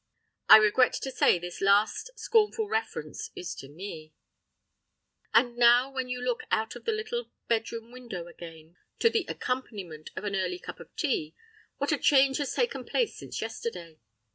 I regret to say this last scornful reference is to me! And now when you look out of the little bedroom window again, to the accompaniment of an early cup of tea, what a change has taken place since yesterday!